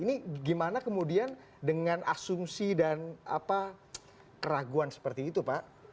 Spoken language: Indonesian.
ini gimana kemudian dengan asumsi dan keraguan seperti itu pak